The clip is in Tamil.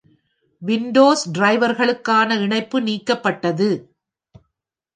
விண்டோஸ் டிரைவர்களுக்கான இணைப்பு நீக்கப்பட்டது.